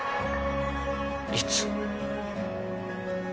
いつ？